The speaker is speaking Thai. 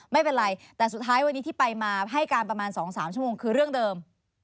ไม่เป็นไรแต่สุดท้ายวันนี้ที่ไปมาให้การประมาณ๒๓ชั่วโมงคือเรื่องเดิม